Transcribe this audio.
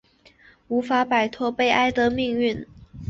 无法摆脱悲哀的命运